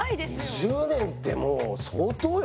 ２０年ってもう相当よ。